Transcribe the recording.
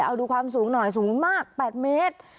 เอาดูความสูงหน่อยสูงมาก๘เมตร